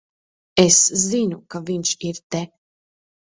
Es zinu, ka viņš ir te.